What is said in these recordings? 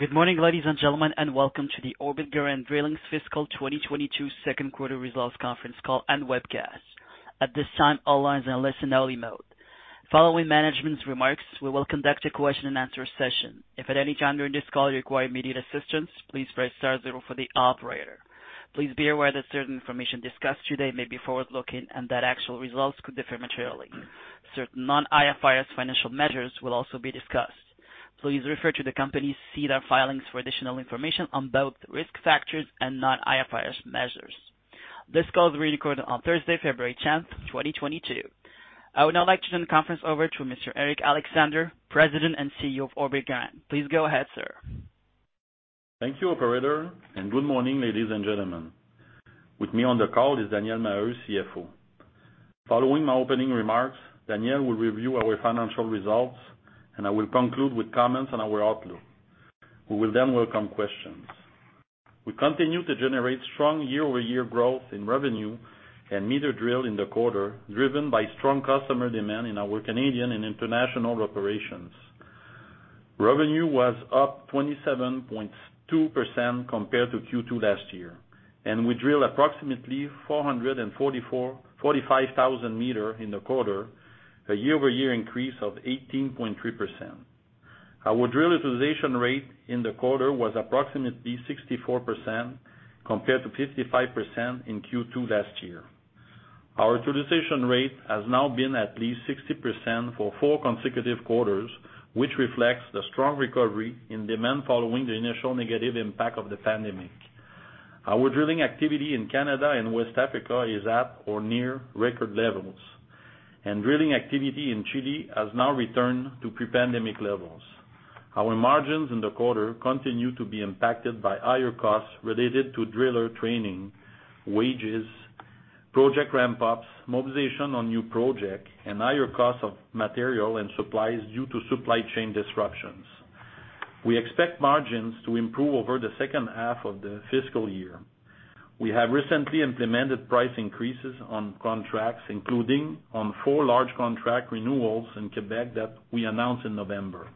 Good morning, ladies and gentlemen, and welcome to the Orbit Garant Drilling's Fiscal 2022 Second Quarter Results Conference Call and Webcast. At this time, all lines are in listen only mode. Following management's remarks, we will conduct a question-and-answer session. If at any time during this call you require immediate assistance, please press star-zero for the operator. Please be aware that certain information discussed today may be forward-looking, and that actual results could differ materially. Certain non-IFRS financial measures will also be discussed. Please refer to the company's SEDAR filings for additional information on both risk factors and non-IFRS measures. This call is being recorded on Thursday, February 10, 2022. I would now like to turn the conference over to Mr. Eric Alexandre, President and CEO of Orbit Garant. Please go ahead, sir. Thank you, operator, and good morning, ladies and gentlemen. With me on the call is Daniel Maheu, CFO. Following my opening remarks, Daniel will review our financial results, and I will conclude with comments on our outlook. We will then welcome questions. We continue to generate strong year-over-year growth in revenue and meters drilled in the quarter, driven by strong customer demand in our Canadian and international operations. Revenue was up 27.2% compared to Q2 last year, and we drilled approximately 444,445 meters in the quarter, a year-over-year increase of 18.3%. Our drill utilization rate in the quarter was approximately 64% compared to 55% in Q2 last year. Our utilization rate has now been at least 60% for four consecutive quarters, which reflects the strong recovery in demand following the initial negative impact of the pandemic. Our drilling activity in Canada and West Africa is at or near record levels, and drilling activity in Chile has now returned to pre-pandemic levels. Our margins in the quarter continue to be impacted by higher costs related to driller training, wages, project ramp-ups, mobilization on new projects, and higher costs of material and supplies due to supply chain disruptions. We expect margins to improve over the second half of the fiscal year. We have recently implemented price increases on contracts, including on four large contract renewals in Quebec that we announced in November.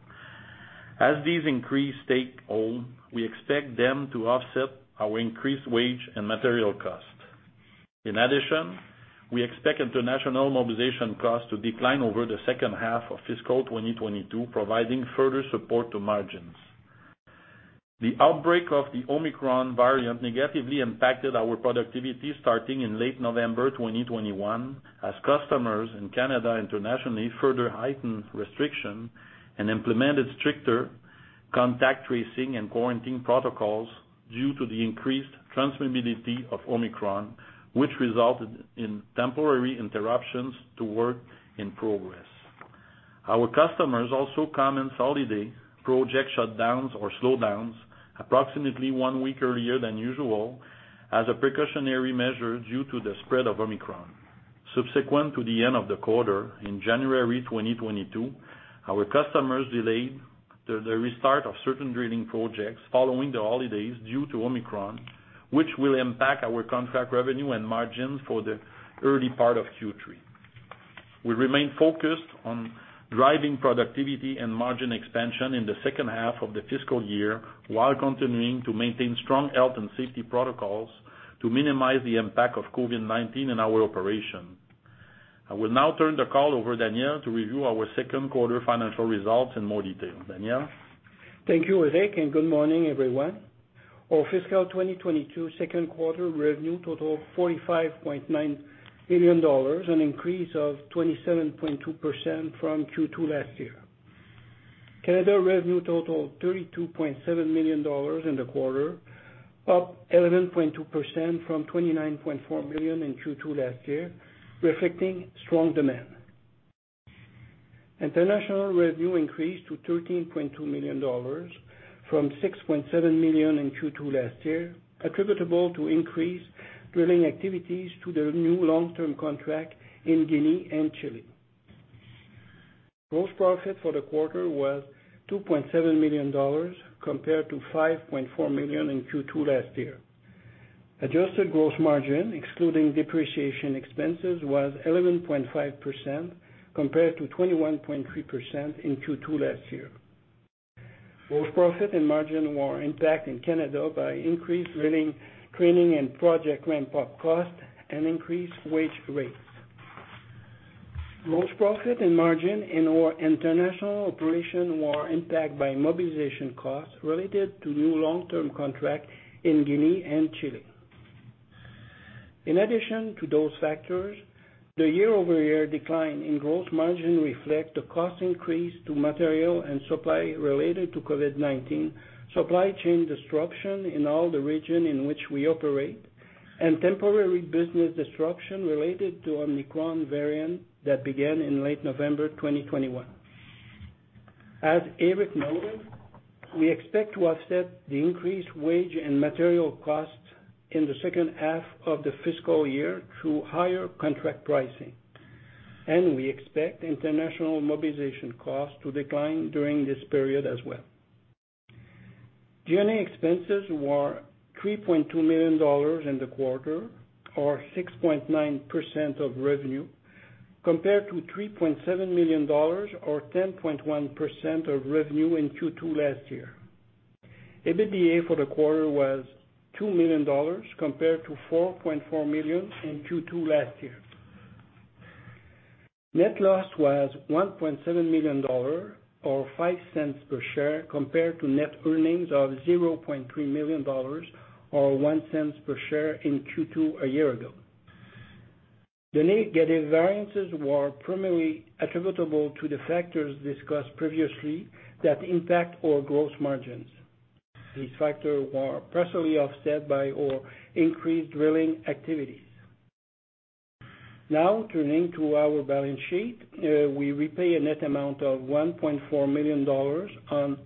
As these increases take hold, we expect them to offset our increased wage and material costs. In addition, we expect international mobilization costs to decline over the second half of fiscal 2022, providing further support to margins. The outbreak of the Omicron variant negatively impacted our productivity starting in late November 2021, as customers in Canada internationally further heightened restrictions and implemented stricter contact tracing and quarantine protocols due to the increased transmissibility of Omicron, which resulted in temporary interruptions to work in progress. Our customers also commenced holiday project shutdowns or slowdowns approximately one week earlier than usual as a precautionary measure due to the spread of Omicron. Subsequent to the end of the quarter in January 2022, our customers delayed the restart of certain drilling projects following the holidays due to Omicron, which will impact our contract revenue and margins for the early part of Q3. We remain focused on driving productivity and margin expansion in the second half of the fiscal year, while continuing to maintain strong health and safety protocols to minimize the impact of COVID-19 in our operation. I will now turn the call over to Daniel to review our second quarter financial results in more detail. Daniel? Thank you, Eric, and good morning, everyone. Our fiscal 2022 second quarter revenue totaled 45.9 million dollars, an increase of 27.2% from Q2 last year. Canada revenue totaled 32.7 million dollars in the quarter, up 11.2% from 29.4 million in Q2 last year, reflecting strong demand. International revenue increased to 13.2 million dollars from 6.7 million in Q2 last year, attributable to increased drilling activities due to the new long-term contract in Guinea and Chile. Gross profit for the quarter was 2.7 million dollars compared to 5.4 million in Q2 last year. Adjusted gross margin, excluding depreciation expenses, was 11.5% compared to 21.3% in Q2 last year. Gross profit and margin were impacted in Canada by increased drilling, training, and project ramp-up costs and increased wage rates. Gross profit and margin in our international operation were impacted by mobilization costs related to new long-term contracts in Guinea and Chile. In addition to those factors, the year-over-year decline in gross margin reflect the cost increase to material and supply related to COVID-19, supply chain disruption in all the region in which we operate, and temporary business disruption related to Omicron variant that began in late November 2021. As Eric noted, we expect to offset the increased wage and material costs in the second half of the fiscal year through higher contract pricing, and we expect international mobilization costs to decline during this period as well. G&A expenses were 3.2 million dollars in the quarter or 6.9% of revenue compared to 3.7 million dollars or 10.1% of revenue in Q2 last year. EBITDA for the quarter was 2 million dollars compared to 4.4 million in Q2 last year. Net loss was 1.7 million dollars or 0.05 per share compared to net earnings of 0.3 million dollars or 0.01 per share in Q2 a year ago. The net variances were primarily attributable to the factors discussed previously that impact our gross margins. These factors were partially offset by our increased drilling activities. Now turning to our balance sheet. We repaid a net amount of 1.4 million dollars on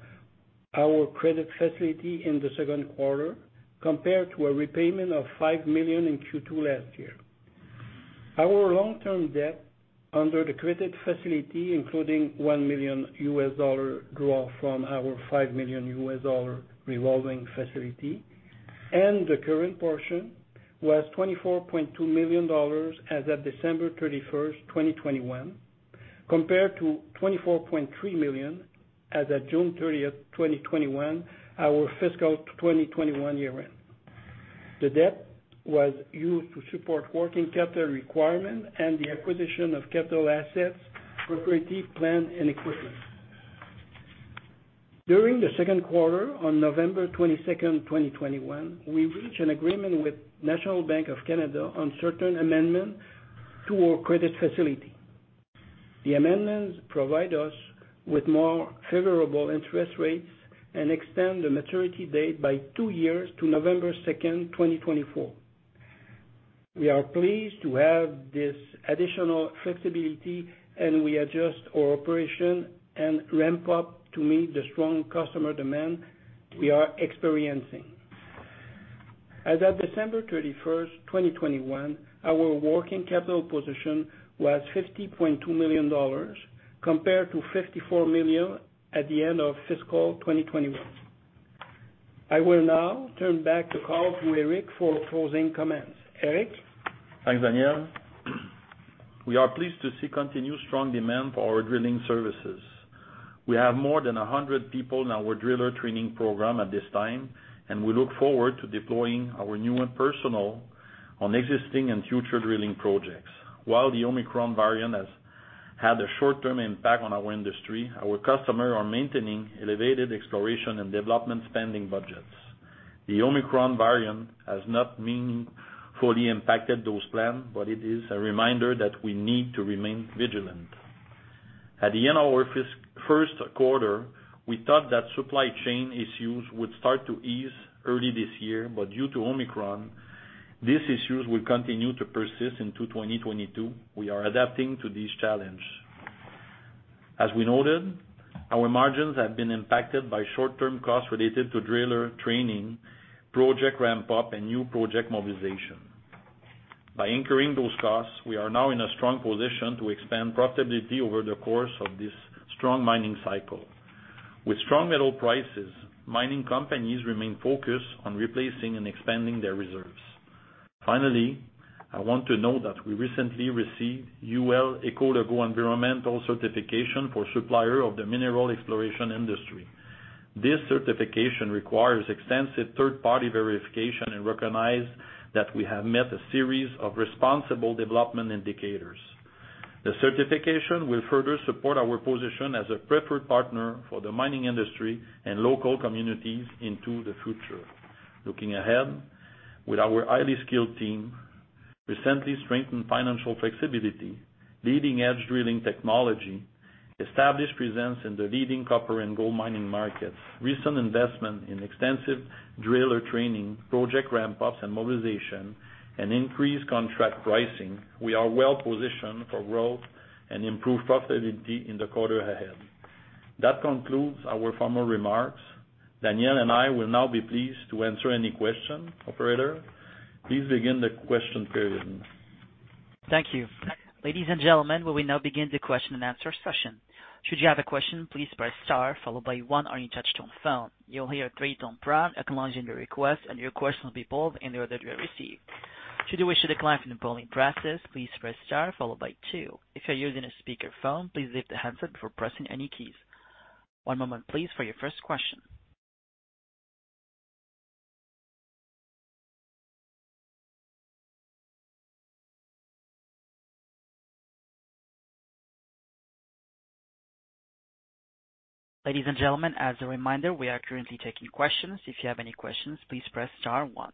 our credit facility in the second quarter compared to a repayment of 5 million in Q2 last year. Our long-term debt under the credit facility, including $1 million draw from our $5 million revolving facility, and the current portion was 24.2 million dollars as of December 31, 2021, compared to 24.3 million as of June 30, 2021, our fiscal 2021 year-end. The debt was used to support working capital requirement and the acquisition of capital assets for drilling plant and equipment. During the second quarter, on November 22, 2021, we reached an agreement with National Bank of Canada on certain amendments to our credit facility. The amendments provide us with more favorable interest rates and extend the maturity date by two years to November 2, 2024. We are pleased to have this additional flexibility as we adjust our operation and ramp up to meet the strong customer demand we are experiencing. As of December 31, 2021, our working capital position was 50.2 million dollars, compared to 54 million at the end of fiscal 2021. I will now turn back the call to Eric for closing comments. Eric? Thanks, Daniel. We are pleased to see continued strong demand for our drilling services. We have more than 100 people in our driller training program at this time, and we look forward to deploying our newer personnel on existing and future drilling projects. While the Omicron variant has had a short-term impact on our industry, our customers are maintaining elevated exploration and development spending budgets. The Omicron variant has not meaningfully impacted those plans, but it is a reminder that we need to remain vigilant. At the end of our first quarter, we thought that supply chain issues would start to ease early this year, but due to Omicron, these issues will continue to persist into 2022. We are adapting to this challenge. As we noted, our margins have been impacted by short-term costs related to driller training, project ramp-up, and new project mobilization. By incurring those costs, we are now in a strong position to expand profitability over the course of this strong mining cycle. With strong metal prices, mining companies remain focused on replacing and expanding their reserves. Finally, I want to note that we recently received UL ECOLOGO environmental certification for supplier of the mineral exploration industry. This certification requires extensive third-party verification and recognizes that we have met a series of responsible development indicators. The certification will further support our position as a preferred partner for the mining industry and local communities into the future. Looking ahead, with our highly skilled team, recently strengthened financial flexibility, leading-edge drilling technology, established presence in the leading copper and gold mining markets, recent investment in extensive driller training, project ramp-ups and mobilization, and increased contract pricing, we are well positioned for growth and improved profitability in the quarter ahead. That concludes our formal remarks. Daniel and I will now be pleased to answer any question. Operator, please begin the question period. Thank you. Ladies and gentlemen, we will now begin the question and answer session. Should you have a question, please press star followed by one on your touchtone phone. You'll hear three tone prompts acknowledging your request, and your question will be posed in the order they are received. Should you wish to decline from the polling process, please press star followed by two. If you're using a speakerphone, please lift the handset before pressing any keys. One moment please for your first question. Ladies and gentlemen, as a reminder, we are currently taking questions. If you have any questions, please press star one.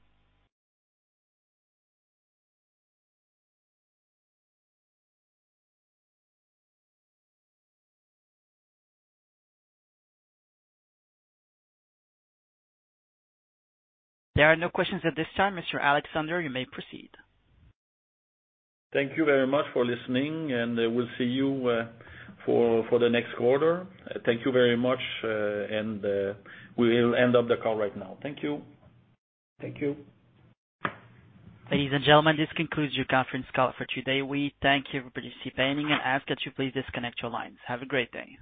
There are no questions at this time. Mr. Alexandre, you may proceed. Thank you very much for listening, and we'll see you for the next quarter. Thank you very much, and we will end up the call right now. Thank you. Thank you. Ladies and gentlemen, this concludes your conference call for today. We thank you for participating and ask that you please disconnect your lines. Have a great day.